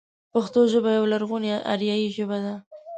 پښتو ژبه يوه لرغونې اريايي ژبه ده.